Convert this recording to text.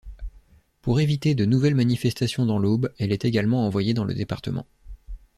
Pour éviter de nouvelles manifestations dans l'Aube, elle est également envoyée dans le département.